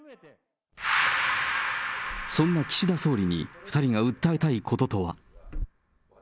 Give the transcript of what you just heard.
そんな岸田総理に２人が訴えたいこととは。